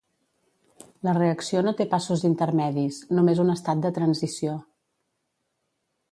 La reacció no té passos intermedis, només un estat de transició.